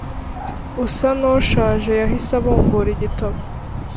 usa n’ushaje yahise abumbura igitabo